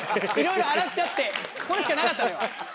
いろいろ洗っちゃってこれしかなかったのよ。